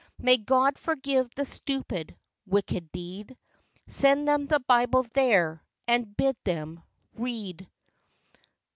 May God forgive the stupid, wicked deed, Send them the Bible there, and bid them read.